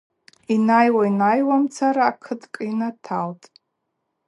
Йнайуа-йнайуамцара кыткӏ йнаталтӏ.